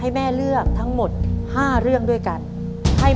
แบบช่วยดูเสลจคือทำทุกอย่างที่ให้น้องอยู่กับแม่ได้นานที่สุด